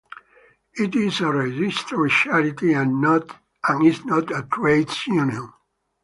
It is a registered charity and is not a trades union.